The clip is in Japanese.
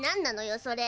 それ。